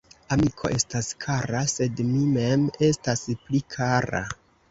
Amiko estas kara, sed mi mem estas pli kara.